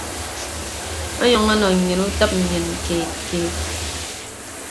Onyʌñ ọnọ nnyịn utịp nnyịn keed keed.